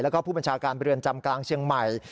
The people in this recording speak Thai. แล้วก็ผู้บัญชาการเรือนจำกลางเชียงใหม่